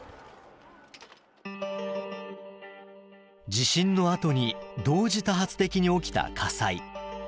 地震のあとに同時多発的に起きた火災。